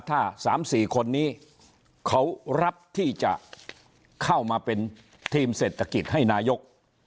ถ้า๓๔คนนี้เขารับที่จะเข้ามาเป็นทีมเศรษฐกิจให้นายก